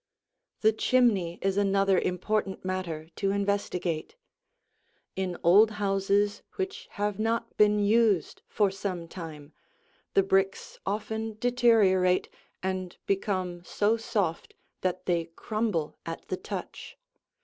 The chimney is another important matter to investigate. In old houses which have not been used for some time, the bricks often deteriorate and become so soft that they crumble at the touch.